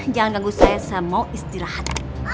jangan ganggu saya semau istirahat